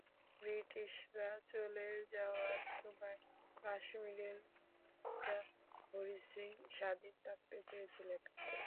ব্রিটিশরা চলে যাওয়ার সময় কাশ্মীরের মহারাজা হরি সিং স্বাধীন থাকতে চেয়েছিলেন।